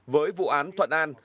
với vụ án thuận an